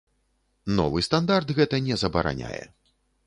Новы стандарт гэта не забараняе.